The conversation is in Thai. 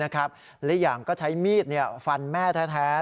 หรืออย่างก็ใช้มีดฟันแม่แฮะ